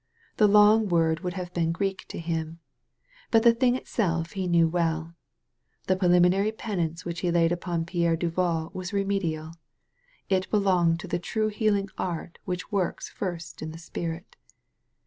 The long word would have been Greek to him. But the thing itself he knew well. The preliminary penance which he laid upon Pierre Duval was remedial. It belonged to the true heal ing art which works first in the spirit.